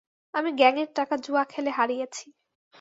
আমি গ্যাং এর টাকা জুয়া খেলে হারিয়েছি।